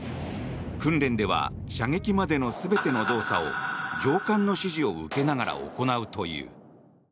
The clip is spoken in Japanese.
訓練では射撃までの全ての動作を上官の指示を受けながら行うという。